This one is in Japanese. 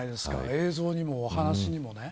映像にもお話にもね。